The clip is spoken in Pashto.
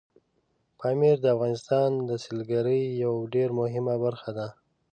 پامیر د افغانستان د سیلګرۍ یوه ډېره مهمه برخه ده.